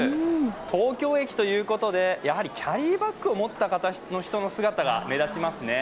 東京駅ということで、やはりキャリーバッグを持った人の姿が目立ちますね。